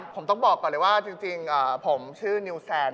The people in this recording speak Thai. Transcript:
ผมต้องบอกก่อนเลยว่าจริงผมชื่อนิวแซน